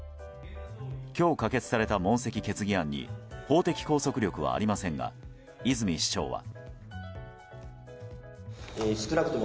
今日、可決された問責決議案に法的拘束力はありませんが泉市長は。